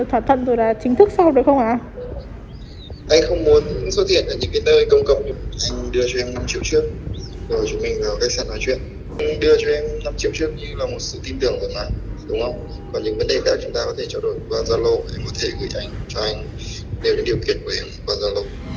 em có thể gửi cho anh cho anh nêu những điều kiện của em